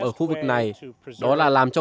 ở khu vực này đó là làm cho